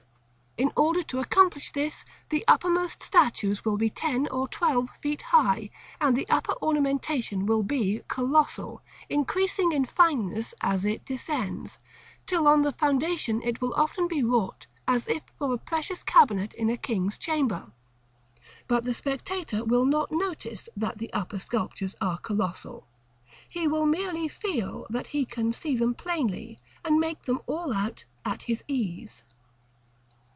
In order to accomplish this, the uppermost statues will be ten or twelve feet high, and the upper ornamentation will be colossal, increasing in fineness as it descends, till on the foundation it will often be wrought as if for a precious cabinet in a king's chamber; but the spectator will not notice that the upper sculptures are colossal. He will merely feel that he can see them plainly, and make them all out at his ease.